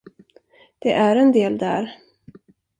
Det är en del där.